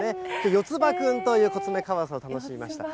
よつばくんというコツメカワウソを楽しみました。